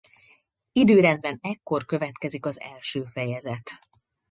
Időrendben ekkor következik az első fejezet.